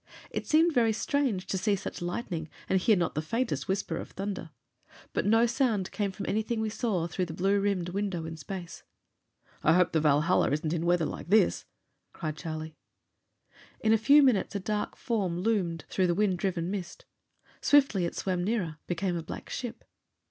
It seemed very strange to see such lightning and hear not the faintest whisper of thunder but no sound came from anything we saw through the blue rimmed window in space. "I hope the Valhalla isn't in weather like this!" cried Charlie. In a few minutes a dark form loomed through the wind riven mist. Swiftly it swam nearer; became a black ship.